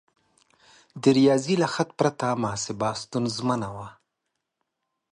د ریاضي له خط پرته محاسبه ستونزمنه وه.